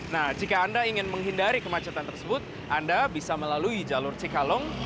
nah jika anda ingin menghindari kemacetan tersebut anda bisa melalui jalur cikalong